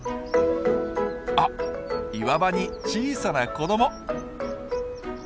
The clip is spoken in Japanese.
あっ岩場に小さな子ども！